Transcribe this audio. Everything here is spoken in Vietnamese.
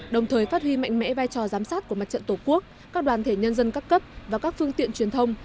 đồng thời phát huy mạnh mẽ vai trò giám sát của mặt trận tổ quốc các đoàn thể nhân dân các cấp và các phương tiện truyền thông